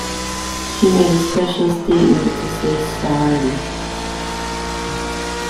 She made a special statement to say sorry